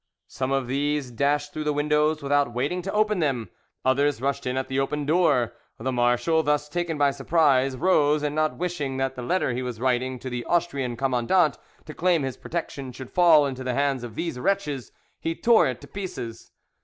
Some of these dashed through the windows without waiting to open them, others rushed in at the open door. The marshal, thus taken by surprise, rose, and not wishing that the letter he was writing to the Austrian commandant to claim his protection should fall into the hands of these wretches, he tore it to pieces.